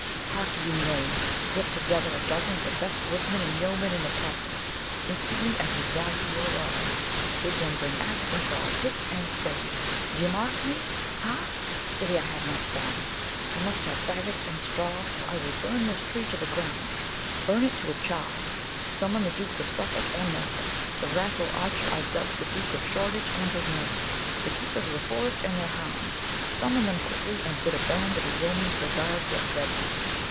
Harkye, knaves: get together a dozen of the best woodmen and yeomen in the castle instantly, as you value your lives; bid them bring axe and saw, pick and spade. D'ye mark me? ha! Stay, I have not done. I must have fagots and straw, for I will burn this tree to the ground burn it to a char. Summon the Dukes of Suffolk and Norfolk the rascal archer I dubbed the Duke of Shoreditch and his mates the keepers of the forest and their hounds summon them quickly, and bid a band of the yeomen of the guard get ready."